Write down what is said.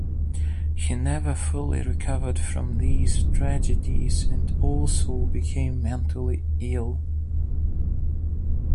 He never fully recovered from these tragedies and also became mentally ill.